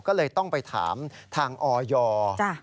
ก็เลยต้องไปถามทางออย